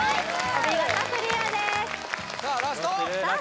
お見事クリアですさあ